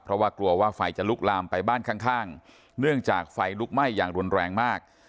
เพราะว่ากลัวว่าไฟจะลุกลามไปบ้านข้างเนื่องจากไฟลุกไหม้อย่างรุนแรงมาก